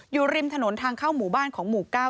อยู่ริมถนนทางเข้าหมู่บ้านของหมู่๙